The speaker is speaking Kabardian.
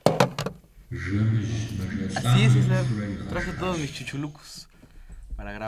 Жэмыжь мэжэлӏам еплъурэ игъэшхащ.